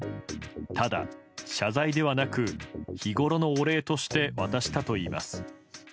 ただ、謝罪ではなく日ごろのお礼として渡したといいます。